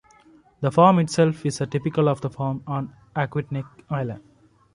The farm itself is typical of the farms on Aquidneck Island.